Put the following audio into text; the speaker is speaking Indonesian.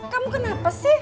kamu kenapa sih